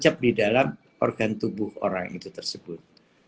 jadi dalam organ tubuh orang tersebut